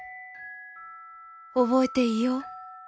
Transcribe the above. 覚えていよう？